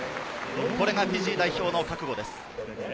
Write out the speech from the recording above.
これがフィジー代表の覚悟です。